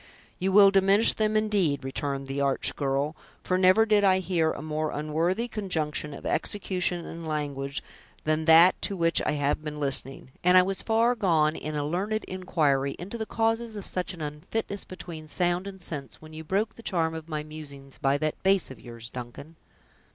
"You will diminish them, indeed," returned the arch girl; "for never did I hear a more unworthy conjunction of execution and language than that to which I have been listening; and I was far gone in a learned inquiry into the causes of such an unfitness between sound and sense, when you broke the charm of my musings by that bass of yours, Duncan!"